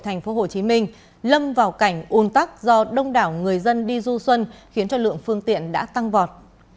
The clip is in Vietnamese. tp hcm lâm vào cảnh ôn tắc do đông đảo người dân đi du xuân khiến lượng phương tiện tăng vọt